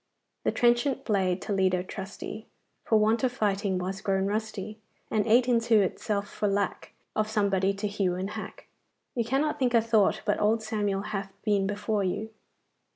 "The trenchant blade, Toledo trusty, For want of fighting was grown rusty, And ate into itself for lack Of somebody to hew and hack." You cannot think a thought but old Samuel hath been before you.